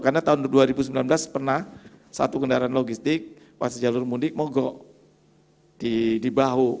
karena tahun dua ribu sembilan belas pernah satu kendaraan logistik pas jalur mundik mogok di bahu